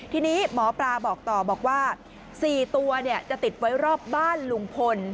ทีนี้หมอปลาบอกต่อบอกว่า๔ตัวจะติดไว้รอบบ้านลุงพล